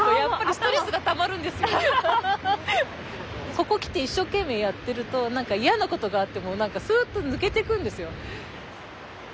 ここ来て一生懸命やってると何か嫌なことがあってもすっと抜けてくんですよ。